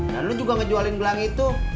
dan lu juga ngejualin gelang itu